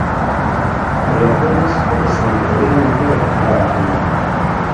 Javier Tebas, o presidente da Liga, non quere que pare o campionato.